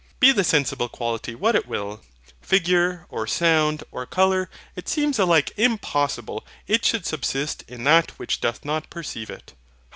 Be the sensible quality what it will figure, or sound, or colour, it seems alike impossible it should subsist in that which doth not perceive it.